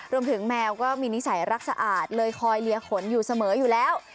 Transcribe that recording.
แมวก็มีนิสัยรักสะอาดเลยคอยเลียขนอยู่เสมออยู่แล้ว